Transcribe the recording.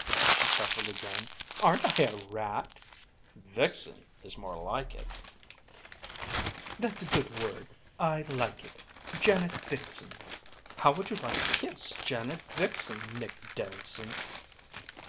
"Nope." She chuckled again. "Aren't I a rat?" "Vixen, is more like it." "That's a good word. I like it. Janet Vixen. How would you like to kiss Janet Vixen, Nick Danson?"